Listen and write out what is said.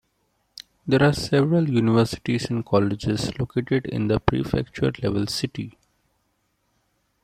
There are several universities and colleges located in the prefecture level city.